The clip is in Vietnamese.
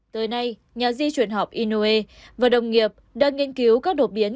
tới nay nhà di chuyển học innouê và đồng nghiệp đang nghiên cứu các đột biến